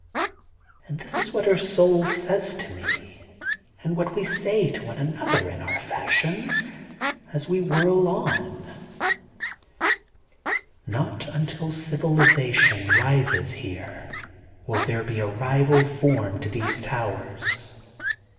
And this is what her soul says to me, and what we say to one an other, in our fashion, as we whirl on: "Not until another civilization rises here, will there be a rival form to these towers.